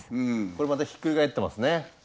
これまたひっくり返ってますね